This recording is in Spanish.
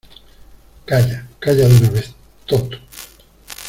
¡ Calla! ¡ calla de una vez, tonto !